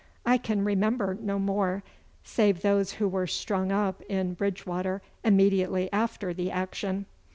I can remember no more, save those who were strung up in 'Bridgewater immediately after the action.